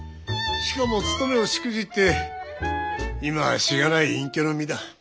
しかも勤めをしくじって今はしがない隠居の身だ。